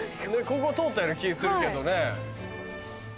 ここ通ったような気するけどね。